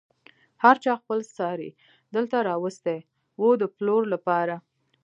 هر چا خپل څاری دلته راوستی و د پلور لپاره.